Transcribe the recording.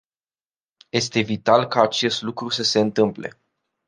Este vital ca acest lucru să se întâmple.